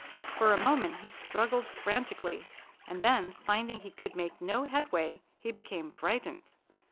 For a moment he struggled frantically, and then finding he could make no headway he became frightened.